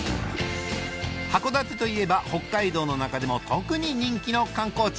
函館といえば北海道の中でも特に人気の観光地